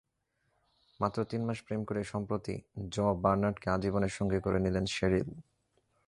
মাত্র তিন মাস প্রেম করেই সম্প্রতি জঁ-বার্নার্ডকে আজীবনের সঙ্গী করে নিলেন শেরিল।